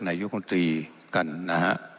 ในยุคมธีกันนะฮะ